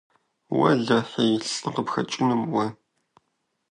Уэлэхьи, лӀы къыпхэкӀынум уэ.